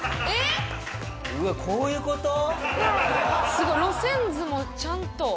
すごい。路線図もちゃんと。